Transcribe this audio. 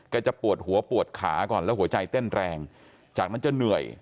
จะปวดหัวปวดขาก่อนแล้วหัวใจเต้นแรงจากนั้นจะเหนื่อย